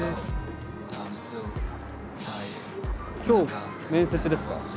今日面接ですか？